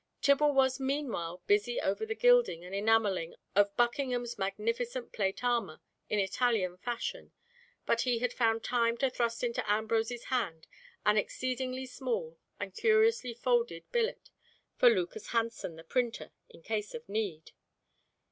Tibble was meanwhile busy over the gilding and enamelling of Buckingham's magnificent plate armour in Italian fashion, but he had found time to thrust into Ambrose's hand an exceedingly small and curiously folded billet for Lucas Hansen, the printer, in case of need.